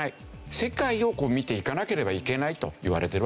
世界を見ていかなければいけないといわれているわけですよね。